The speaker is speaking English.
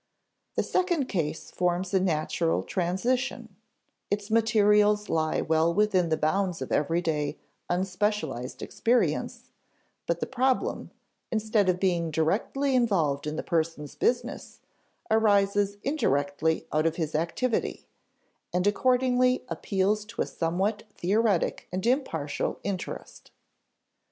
The second case forms a natural transition; its materials lie well within the bounds of everyday, unspecialized experience; but the problem, instead of being directly involved in the person's business, arises indirectly out of his activity, and accordingly appeals to a somewhat theoretic and impartial interest.